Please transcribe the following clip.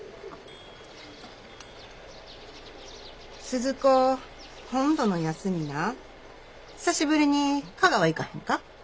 スズ子今度の休みな久しぶりに香川行かへんか？